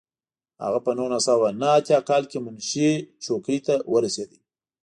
هغه په نولس سوه نهه اتیا کال کې منشي څوکۍ ته ورسېد.